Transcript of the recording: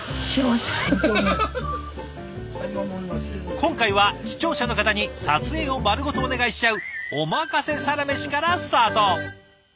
今回は視聴者の方に撮影を丸ごとお願いしちゃう「おまかせサラメシ」からスタート。